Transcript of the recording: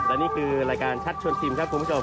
และนี่คือรายการชัดชวนชิมครับคุณผู้ชม